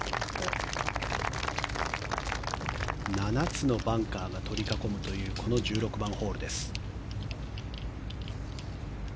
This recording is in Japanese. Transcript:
７つのバンカーが取り囲むというこの１６番ホールです。